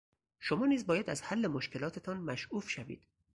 شما نیز باید از حل مشکلاتتان مشعوف شوید.